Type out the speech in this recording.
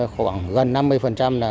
khoảng gần năm mươi